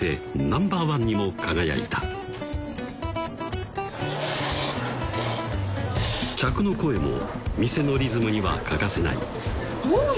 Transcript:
ナンバーワンにも輝いた客の声も店のリズムには欠かせないうん！